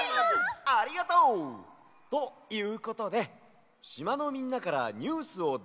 ありがとう！ということでしまのみんなからニュースをだ